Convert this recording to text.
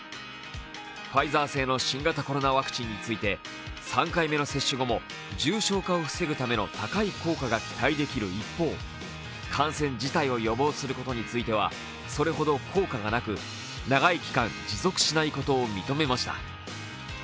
ファイザー製の新型コロナワクチンについて３回目の接種後も重症化を防ぐための高い効果が期待できる一方感染自体を予防することについてはそれほど効果がなく、長い期間持続しないことを認めました。